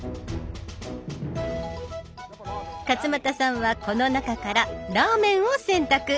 勝俣さんはこの中から「ラーメン」を選択。